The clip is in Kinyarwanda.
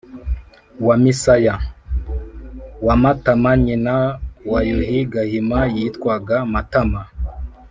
Wa Misaya: wa Matama nyina wa Yuhi Gahima yitwaga Matama.